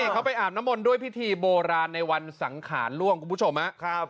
เขาไปอาบน้ำมนต์ด้วยพิธีโบราณในวันสังขารล่วงคุณผู้ชมครับ